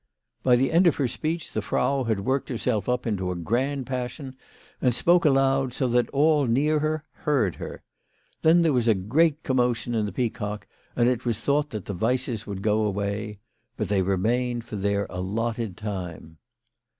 By the end of her speech the Frau had worked her self up into a grand passion, and spoke aloud, so that all near her heard her. Then there was a great com motion in the Peacock, and it was thought that the Weisses would go away. But they remained for their allotted time.